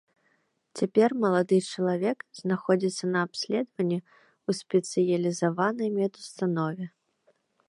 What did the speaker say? Цяпер малады чалавек знаходзіцца на абследаванні ў спецыялізаванай медустанове.